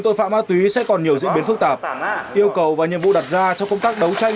tội phạm ma túy sẽ còn nhiều diễn biến phức tạp yêu cầu và nhiệm vụ đặt ra trong công tác đấu tranh